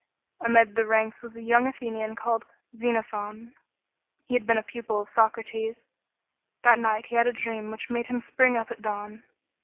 [B.C. 400. Amid the ranks was a young Athenian called Xenophon. He had been a pupil of Socrates. 1 That night he had a dream which made him spring up at dawn.